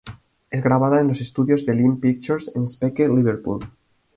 Es grabada en los estudios de Lime Pictures en Speke, Liverpool.